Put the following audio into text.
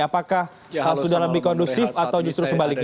apakah sudah lebih kondusif atau justru sebaliknya